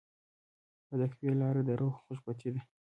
د تقوی لاره د روح خوشبختي ده.